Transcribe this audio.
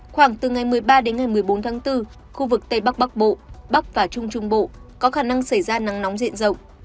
khoảng từ ngày một mươi ba đến ngày một mươi bốn tháng bốn khu vực tây bắc bắc bộ bắc và trung trung bộ có khả năng xảy ra nắng nóng diện rộng